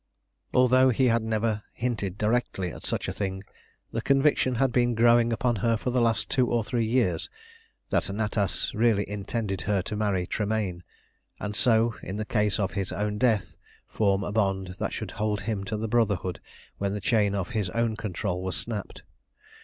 Although he had never hinted directly at such a thing, the conviction had been growing upon her for the last two or three years that Natas really intended her to marry Tremayne, and so, in the case of his own death, form a bond that should hold him to the Brotherhood when the chain of his own control was snapped.